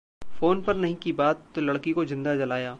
phone पर नहीं की बात, तो लड़की को जिंदा जलाया